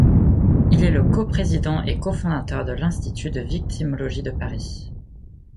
Il est le co-président et co-fondateur de l’Institut de victimologie de Paris.